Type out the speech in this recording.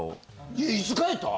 いやいつ変えた？